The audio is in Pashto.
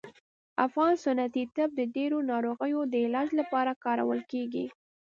افغان سنتي طب د ډیرو ناروغیو د علاج لپاره کارول کیږي